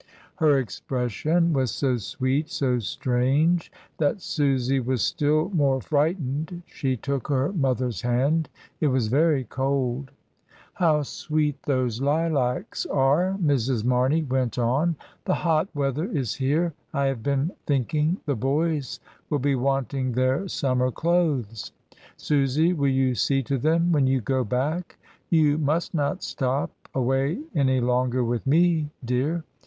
Her expression was so sweet, so strange, that Susy was still more frightened — she took her mother's hand; it was very cold. "How sweet those lilacs are," Mrs. Marney went on. "The hot weather is here; I have been think ing the boys will be wanting their summer clothes. Susy, will you see to them when you go back? You must not stop away any longer with me, dear.